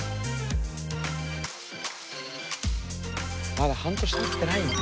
まだ半年たってないんだ。